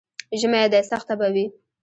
ژمی دی، سخته به وي.